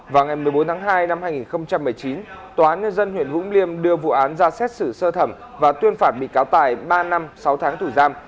vào ngày một mươi bốn tháng hai năm hai nghìn một mươi chín tòa án nhân dân huyện vũng liêm đưa vụ án ra xét xử sơ thẩm và tuyên phạt bị cáo tài ba năm sáu tháng tù giam